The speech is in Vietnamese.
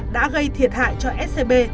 đã gây thiệt hại cho scb